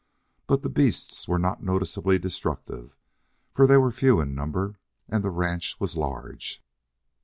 But the beasts were not noticeably destructive, for they were few in number and the ranch was large.